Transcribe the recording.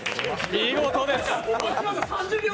見事です。